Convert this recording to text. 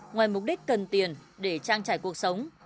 ngoài mục đích cần tiền để trang trải cuộc sống